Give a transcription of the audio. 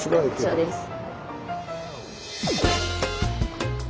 そうです。